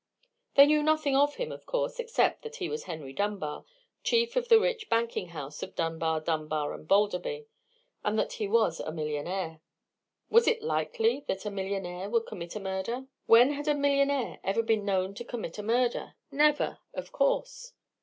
They knew nothing of him, of course, except that he was Henry Dunbar, chief of the rich banking house of Dunbar, Dunbar, and Balderby, and that he was a millionaire. Was it likely that a millionaire would commit a murder? When had a millionaire ever been known to commit a murder? Never, of course!